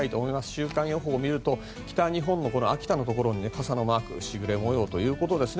週間予報を見ると北日本も秋田のところに傘のマーク時雨模様ということです。